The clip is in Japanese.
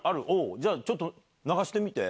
じゃあちょっと流してみて。